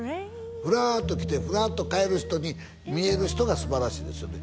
ふらっと来てふらっと帰る人に見える人がすばらしいですよね